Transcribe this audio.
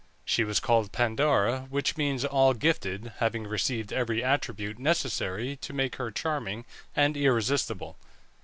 She was called Pandora, which means all gifted, having received every attribute necessary to make her charming and irresistible.